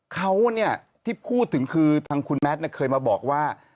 เขาเนี่ยที่พูดถึงคือทางคุณแมทเคยมาบอกว่า